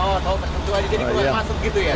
oh tol tertentu aja jadi keluar masuk gitu ya